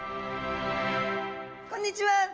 こんにちは。